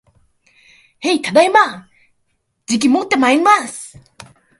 へい、ただいま。じきもってまいります